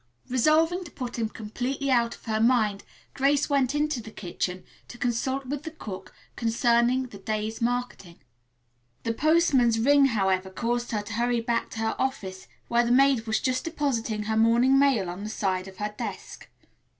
Resolving to put him completely out of her mind, Grace went into the kitchen to consult with the cook concerning the day's marketing. The postman's ring, however, caused her to hurry back to her office where the maid was just depositing her morning mail on the slide of her desk.